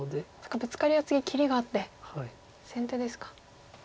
ブツカリは次切りがあって先手ですか。